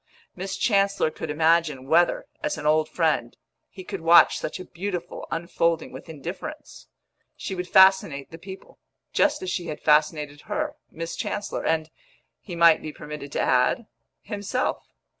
Miss Chancellor could imagine whether, as an old friend, he could watch such a beautiful unfolding with indifference. She would fascinate the people, just as she had fascinated her (Miss Chancellor), and, he might be permitted to add, himself.